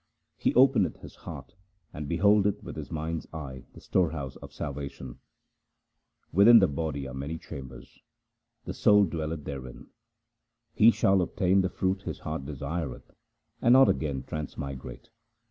He openeth his heart, and beholdeth with his mind's eye the storehouse of salvation — Within the body are many chambers ; the soul dwelleth therein — He shall obtain the fruit his heart desireth, and not again transmigrate.